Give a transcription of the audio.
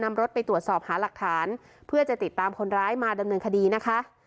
รถไปตรวจสอบหาหลักฐานเพื่อจะติดตามคนร้ายมาดำเนินคดีนะคะ